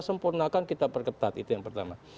sempurnakan kita perketat itu yang pertama